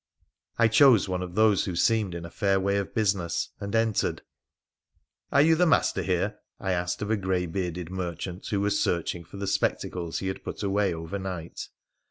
I chose one of those who seemed in a fair way of business, and entered. ' Are you the master here ?' I asked of a grey bearded merchant who was searching for the spectacles he had put away overnight.